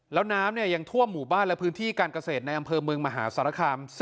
แล้วน้ำยังท่วมหมู่บ้านและพื้นที่การเกษตรในอำเภอเมืองมหาสารคาม